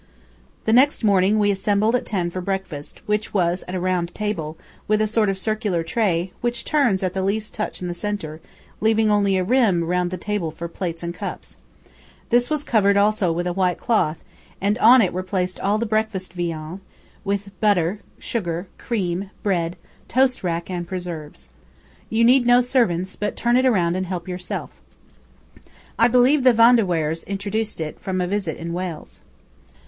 The next morning we assembled at ten for breakfast, which was at a round table, with a sort of circular tray, which turns at the least touch in the centre, leaving only a rim round the table for plates and cups. This was covered also with a white cloth and on it were placed all the breakfast viands, with butter, sugar, cream, bread, toast rack and preserves. You need no servants, but turn it round and help yourself. I believe the Van de Weyers introduced it, from a visit in Wales.